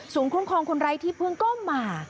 สูงคุ้มครองคุณไรที่เพิ่งก็มา